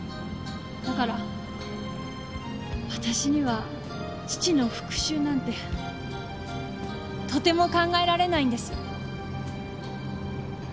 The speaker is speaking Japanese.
だから私には父の復讐なんてとても考えられないんです。